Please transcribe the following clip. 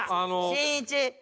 しんいち！